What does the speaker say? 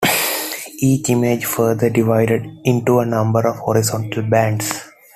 Each image is further divided into a number of horizontal bands.